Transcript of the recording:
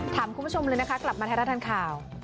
ถามคุณผู้ชมเลยนะคะกลับมาไทยรัฐทันข่าว